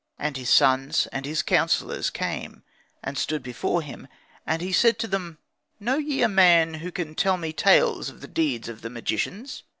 And his sons and his councillors came and stood before him, and he said to them, "Know ye a man who can tell me tales of the deeds of the magicians?"